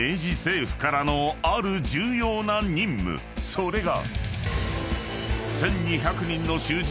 ［それが］